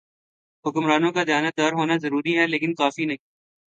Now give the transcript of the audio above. حکمرانوں کا دیانتدار ہونا ضروری ہے لیکن کافی نہیں۔